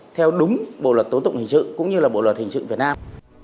theo đúng bộ luật tố tụng hình sự cũng như là bộ luật hình sự việt nam